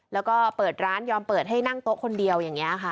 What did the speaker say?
แล้วก็เปิดร้านยอมเปิดให้นั่งโต๊ะคนเดียวอย่างนี้ค่ะ